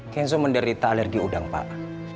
kenso menderita alergi udang pak